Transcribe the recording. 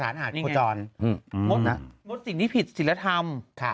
งดสิ่งที่ผิดศิลธรรม